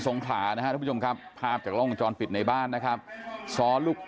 ผมมากับไฟนะครับผมไม่ได้ไหวแล้วแหล่งคักคืนคักดูคักดี